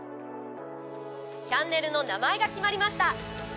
チャンネルの名前が決まりました。